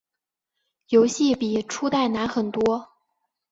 游戏比初代难很多。